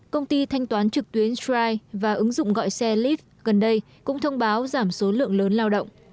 công ty thanh toán trực tuyến strie và ứng dụng gọi xe life gần đây cũng thông báo giảm số lượng lớn lao động